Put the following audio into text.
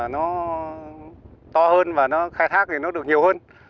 nó to hơn và nó khai thác thì nó được nhiều hơn